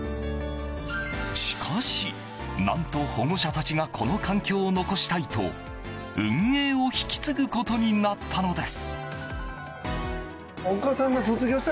しかし何と保護者たちがこの環境を残したいと運営を引き継ぐことになったのです。